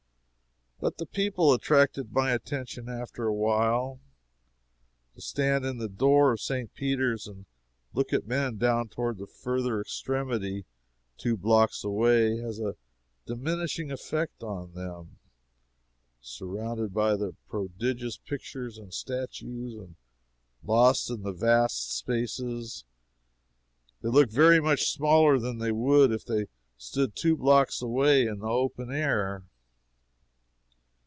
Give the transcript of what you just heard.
But the people attracted my attention after a while. To stand in the door of St. Peter's and look at men down toward its further extremity, two blocks away, has a diminishing effect on them; surrounded by the prodigious pictures and statues, and lost in the vast spaces, they look very much smaller than they would if they stood two blocks away in the open air.